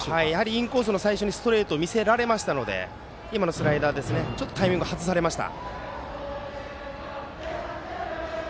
インコースの最初にストレートを見せられたのでスライダーでちょっとタイミング外されました。